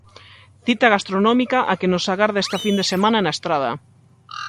Cita gastronómica a que nos agarda esta fin de semana na Estrada.